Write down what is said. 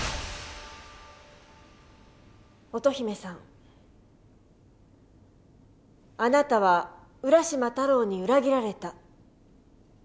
乙姫さんあなたは浦島太郎に裏切られた。